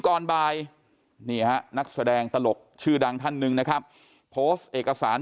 ก่อนบ่ายนี่ฮะนักแสดงตลกชื่อดังท่านหนึ่งนะครับโพสต์เอกสาร